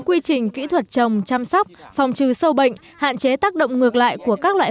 quy trình kỹ thuật trồng chăm sóc phòng trừ sâu bệnh hạn chế tác động ngược lại của các loại